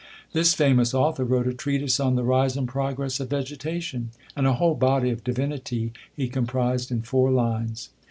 This famous author wrote a treatise on the Rise and Progress of Vegetation ; and a whole Body of Divinity he comprised in four lines.